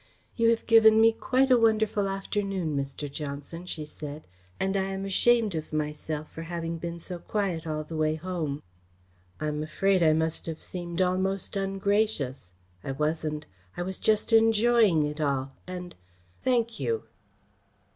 "You have given me quite a wonderful afternoon, Mr. Johnson," she said, "and I am ashamed of myself for having been so quiet all the way home. I am afraid I must have seemed almost ungracious. I wasn't. I was just enjoying it all, and thank you!"